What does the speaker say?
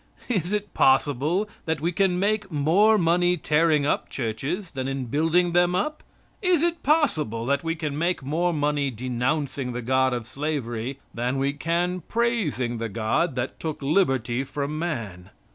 Is it possible that we can make more money tearing up churches than in building them up? Is it possible that we can make more money denouncing the God of slavery than we can praising the God that took liberty from man?